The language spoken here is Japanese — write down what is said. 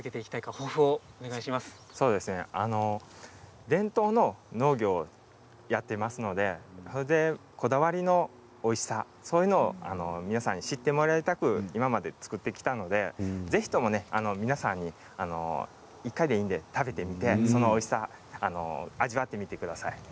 そうですね、伝統の農業をやっていますのでそれで、こだわりのおいしさそういうのを皆さんに知ってもらいたく、今まで作ってきたのでぜひとも皆さんに１回でいいので食べてみてそのおいしさ味わってみてください。